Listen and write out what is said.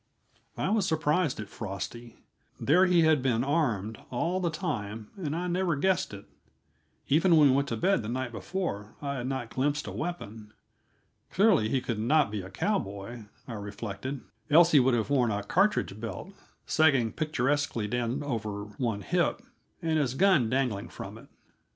I was surprised at Frosty; there he had been armed, all the time, and I never guessed it. Even when we went to bed the night before, I had not glimpsed a weapon. Clearly, he could not be a cowboy, I reflected, else he would have worn a cartridge belt sagging picturesquely down over one hip, and his gun dangling from it.